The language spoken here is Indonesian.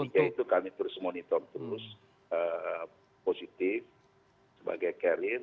jadi itu kami terus monitor terus positif sebagai carrier